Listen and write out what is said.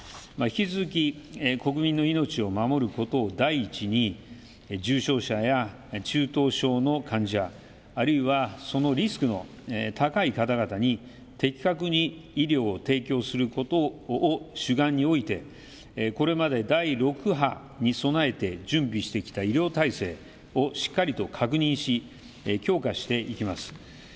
引き続き国民の命を守ることを第一に重症者や中等症の患者、あるいはそのリスクの高い方々に的確に医療を提供することを主眼においてこれまで第６波に備えて準備してきた医療体制をしっかりと確認し、評価していきます。